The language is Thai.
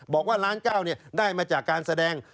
บอกว่าล้านเก้าได้มาจากการแสดง